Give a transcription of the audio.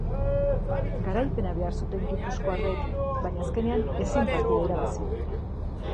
Garaipena behar zuten gipuzkoarrek, baina azkenean ezin partida irabazi.